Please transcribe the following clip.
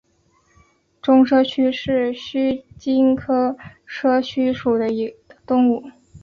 中麝鼩为鼩鼱科麝鼩属的动物。